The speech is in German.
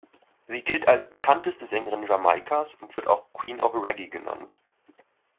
Sie gilt als bekannteste Sängerin Jamaikas und wird auch „Queen of Reggae“ genannt.